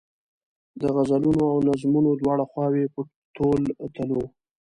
د غزلونو او نظمونو دواړه خواوې په تول تلو.